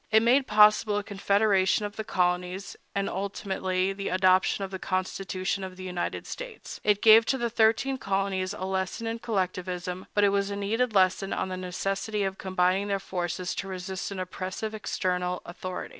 It made possible a confederation of the colonies, and, ultimately, the adoption of the Constitution of the United States. It gave to the thirteen colonies a lesson in collectivism, but it was a needed lesson on the necessity of combining their forces to resist an oppressive external authority.